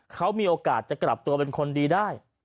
เขามีโอกาสจะกลับตัวเป็นคนดีได้